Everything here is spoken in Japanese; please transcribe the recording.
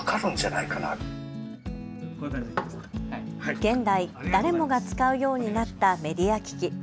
現代、誰もが使うようになったメディア機器。